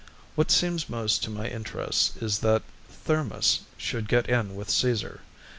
What seems most to my interests is that Thermus should get in with Caesar.